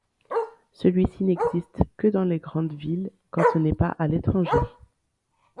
Celui-ci n'existe que dans les grandes villes, quand ce n'est pas à l'étranger.